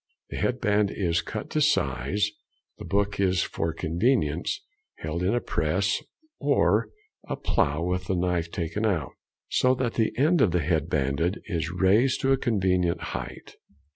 The head band is cut to size, the |85| book is, for convenience, held in a press, or a plough with the knife taken out, so that the end to be head banded is raised to a convenient height.